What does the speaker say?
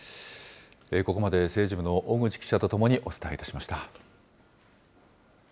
ここまで政治部の小口記者と共にお伝えいたしました。